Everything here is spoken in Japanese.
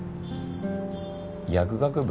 薬学部？